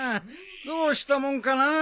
どうしたもんかな。